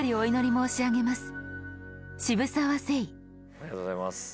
ありがとうございます。